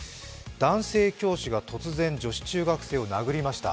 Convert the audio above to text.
男性教師が突然、女子中学生を殴りました。